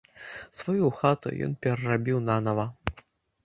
Сваю хату ён перарабіў нанава.